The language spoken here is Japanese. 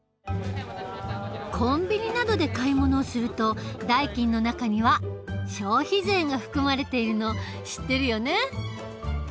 コンビニなどで買い物をすると代金の中には消費税が含まれているの知ってるよね。